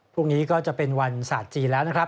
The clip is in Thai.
พรุ่งนี้ก็จะเป็นวันศาสตร์จีนแล้วนะครับ